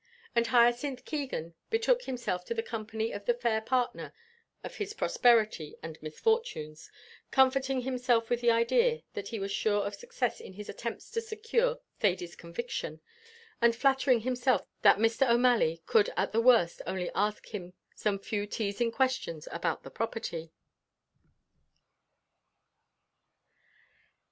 And Hyacinth Keegan betook himself to the company of the fair partner of his prosperity and misfortunes, comforting himself with the idea that he was sure of success in his attempts to secure Thady's conviction, and flattering himself that Mr. O'Malley could at the worst only ask him some few teasing questions about the property.